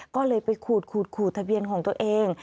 ก็เลยไปขูดทะเบียนของตัวเอง